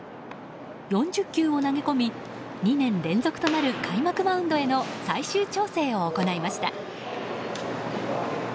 ４０球を投げ込み２年連続となる開幕マウンドへの最終調整を行いました。